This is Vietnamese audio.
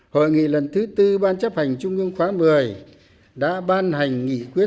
hội nghị lần thứ tư ban chấp hành trung ương khóa một mươi đã ban hành nghị quyết